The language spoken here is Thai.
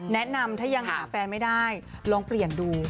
แนะนำถ้ายังหาแฟนไม่ได้ลองเปลี่ยนดู